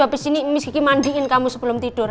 habis ini si kipis mandiin kamu sebelum tidur